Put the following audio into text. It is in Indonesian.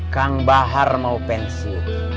kang bahar mau pensi